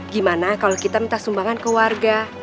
gimana kalau kita minta sumbangan ke warga